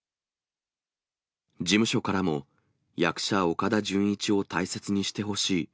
事務所からも、役者、岡田准一を大切にしてほしい。